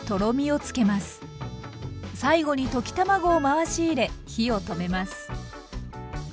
最後に溶き卵を回し入れ火を止めます。